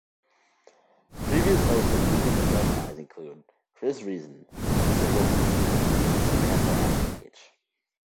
Previous hosts of "Weekend Sunrise" include Chris Reason, Lisa Wilkinson and Samantha Armytage.